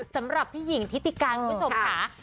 สำหรับพี่หญิงทิติการคุณผู้ชมค่ะ